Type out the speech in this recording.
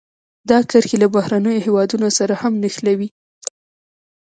دا کرښې له بهرنیو هېوادونو سره هم نښلوي.